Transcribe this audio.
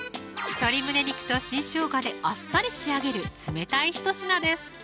鶏胸肉と新しょうがであっさり仕上げる冷たいひと品です